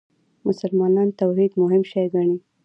مسلمانان توحید مهم شی ګڼي.